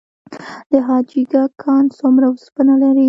د حاجي ګک کان څومره وسپنه لري؟